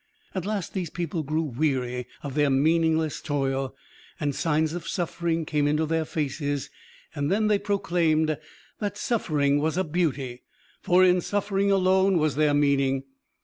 At last these people grew weary of their meaningless toil, and signs of suffering came into their faces, and then they proclaimed that suffering was a beauty, for in suffering alone was there meaning.